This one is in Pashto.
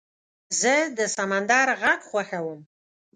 زه د سمندر غږ خوښوم.